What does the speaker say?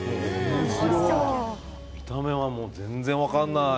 見た目は全然分からない。